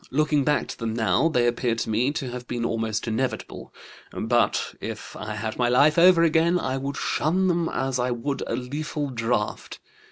Looking back to them now, they appear to me to have been almost inevitable; but if I had my life over again I would shun them as I would a lethal draught.